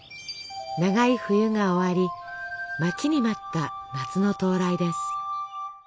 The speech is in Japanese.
長い冬が終わり待ちに待った夏の到来です。